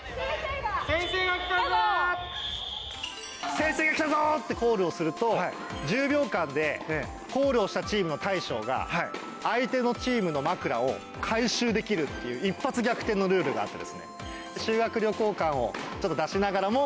先生が来たぞってコールをすると１０秒間でコールをしたチームの大将が相手のチームの枕を回収できるっていう一発逆転のルールがあって。